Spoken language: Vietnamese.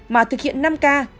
mà thực hiện năm k